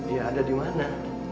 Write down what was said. ya ada di mana